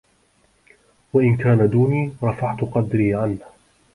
وَإِنْ كَانَ دُونِي رَفَعْت قَدْرِي عَنْهُ